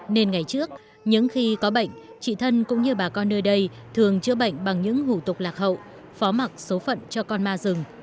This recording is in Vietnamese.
nên ngày trước những khi có bệnh chị thân cũng như bà con nơi đây thường chữa bệnh bằng những hủ tục lạc hậu phó mặt số phận cho con ma rừng